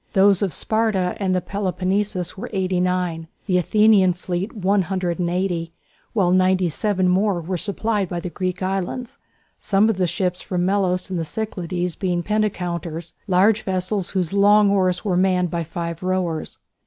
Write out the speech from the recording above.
Those of Sparta and the Peloponnesus were 89, the Athenian fleet 180, while 97 more were supplied by the Greek islands, some of the ships from Melos and the Cyclades being penteconters, large vessels whose long oars were each manned by five rowers.